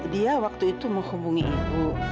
dia waktu itu menghubungi ibu